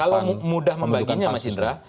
kalau mudah membaginya mas indra